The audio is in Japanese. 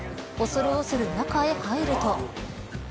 恐る恐る中へ入ると。